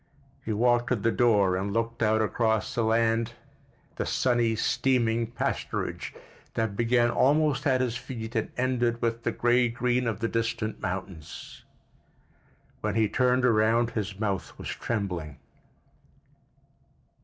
He walked to the door and looked out across the land, the sunny, steaming pasturage that began almost at his feet and ended with the gray green of the distant mountains. When he turned around his mouth was trembling.